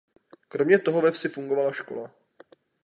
Kromě toho ve vsi fungovala škola.